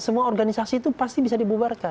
semua organisasi itu pasti bisa dibubarkan